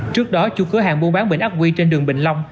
trước đó chung cửa hàng buôn bán bệnh ác quy trên đường bình long